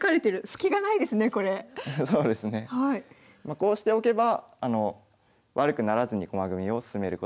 こうしておけば悪くならずに駒組みを進めることができました。